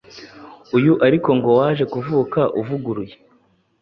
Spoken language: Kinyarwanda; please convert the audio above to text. uyu ariko ngo waje kuvuka uvuguruye